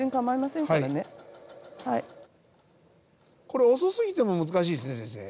これ遅すぎても難しいですね先生。